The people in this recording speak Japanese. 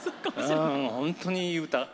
本当に、いい歌。